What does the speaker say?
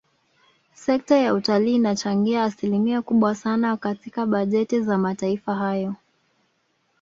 Sekta ya utalii inachangia asilimia kubwa sana katika bajeti za mataifa hayo